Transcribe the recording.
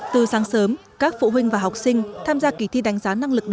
từ sáng sớm các phụ huynh và học sinh tham gia kỳ thi đánh giá năng lực đầu